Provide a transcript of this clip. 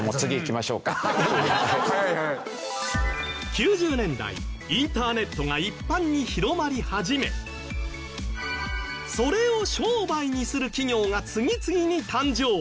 ９０年代インターネットが一般に広まり始めそれを商売にする企業が次々に誕生